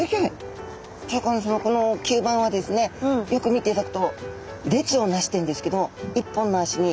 この吸盤はですねよく見ていただくと列をなしてるんですけど１本の足に。